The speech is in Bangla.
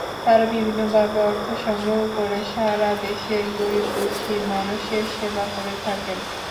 তাঁরা বিভিন্নভাবে অর্থ সংগ্রহ করে সারা দেশের গরিব-দুঃখী মানুষের সেবা করে থাকেন।